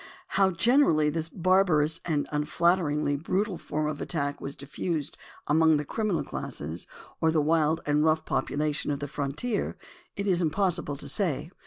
How generally this barbarous and unutterably brutal form of attack was diffused among the criminal classes or the wild and rough population of the frontier it is impossible to say.